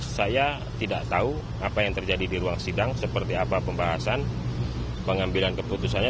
saya tidak tahu apa yang terjadi di ruang sidang seperti apa pembahasan pengambilan keputusannya